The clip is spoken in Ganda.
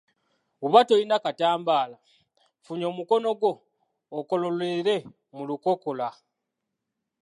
Bw’oba tolina katambaala, funya omukono gwo okololere mu lukokola.